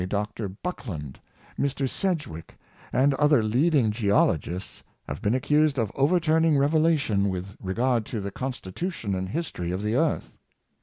Dr. Buck land, Mr. Sedgewick, and other leading geologists, have been accused of overturning revelation with regard to the constitution and history of the earth.